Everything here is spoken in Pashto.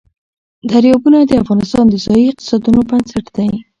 دریابونه د افغانستان د ځایي اقتصادونو بنسټ دی.